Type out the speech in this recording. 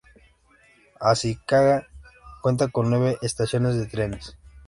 Ashikaga cuenta con nueve estaciones de trenes.